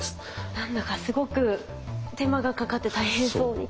何だかすごく手間がかかって大変そうに聞こえます。